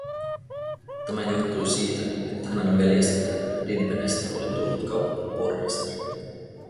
Tämä johtui siitä, että hänen veljestään, Dinpenestä, oli tullut kaupungin pormestari.